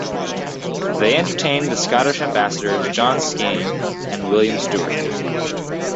They entertained the Scottish ambassadors John Skene and William Stewart.